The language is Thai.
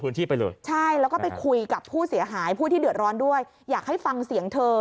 ไปเลยใช่แล้วก็ไปคุยกับผู้เสียหายผู้ที่เดือดร้อนด้วยอยากให้ฟังเสียงเธอ